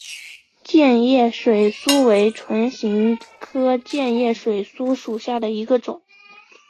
箭叶水苏为唇形科箭叶水苏属下的一个种。